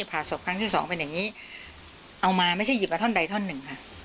ผ่าศพครั้งที่สองเป็นอย่างนี้เอามาไม่ใช่หยิบมาท่อนใดท่อนหนึ่งค่ะ